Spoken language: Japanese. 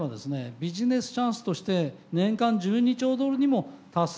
ビジネスチャンスとして年間１２兆ドルにも達する。